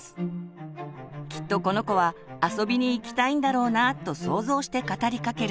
「きっとこの子は遊びに行きたいんだろうなぁ」と想像して語りかける。